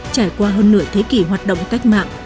trải qua hơn nửa thế kỷ hoạt động cách mạng